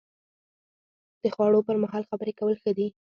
د خوړو پر مهال خبرې کول ښه دي؟